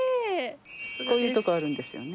こういうとこあるんですよね。